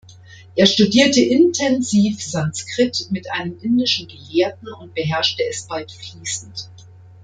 Er studierte intensiv Sanskrit mit einem indischen Gelehrten und beherrschte es bald fließend.